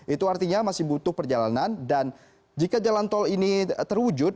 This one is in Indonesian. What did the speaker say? itu artinya masih butuh perjalanan dan jika jalan tol ini terwujud